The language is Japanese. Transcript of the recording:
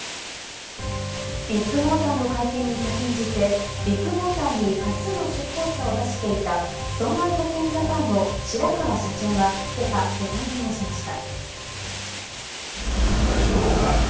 ビッグモーターの会見に先んじて、ビッグモーターに多数の出向者を出していた損害保険ジャパンの白川社長が今朝、取材に応じました。